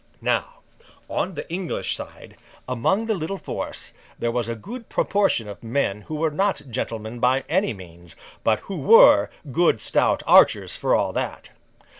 Now, on the English side, among the little force, there was a good proportion of men who were not gentlemen by any means, but who were good stout archers for all that.